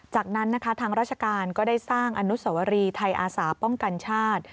จากนั้นนะคะทางราชการก็ได้สร้างอนุสวรีไทยอาสาป้องกันชาติ